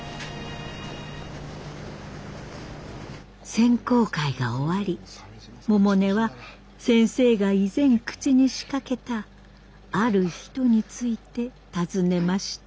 選考会が終わり百音は先生が以前口にしかけたある人について尋ねました。